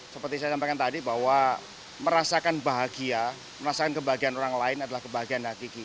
seperti saya sampaikan tadi bahwa merasakan bahagia merasakan kebahagiaan orang lain adalah kebahagiaan hati kita